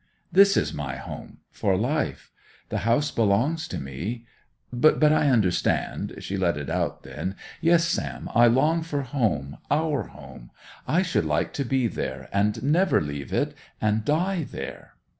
'This is my home—for life. The house belongs to me. But I understand'—She let it out then. 'Yes, Sam. I long for home—our home! I should like to be there, and never leave it, and die there.